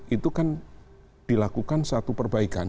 itu kan dilakukan satu perbaikan